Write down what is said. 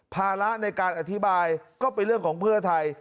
ภาระในการอธิบายก็เป็นเรื่องของเพื่อไทย